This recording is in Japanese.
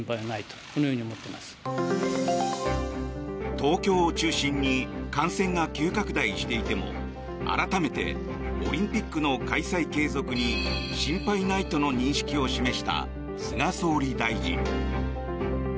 東京を中心に感染が急拡大していても改めてオリンピックの開催継続に心配ないとの認識を示した菅総理大臣。